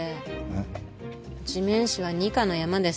えっ？地面師は二課のヤマです。